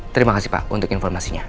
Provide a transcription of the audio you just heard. terima kasih pak untuk informasinya